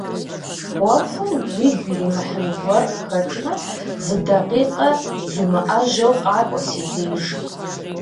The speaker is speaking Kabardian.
Ӏуэхум уигу иримыхьын гуэр къыхэкӏмэ, зы дакъикъэ зумыӀэжьэу къакӀуэ си деж.